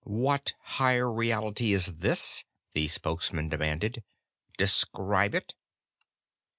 "What higher reality is this?" the Spokesman demanded. "Describe it."